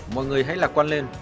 mọi người hãy lạc quan lên